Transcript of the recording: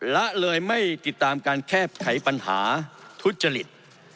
ละเลยไม่ติดตามการแก้ไขปัญหาทุจริต